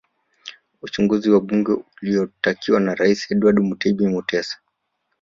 Uchunguzi wa bunge uliotakiwa na Rais Edward Mutebi Mutesa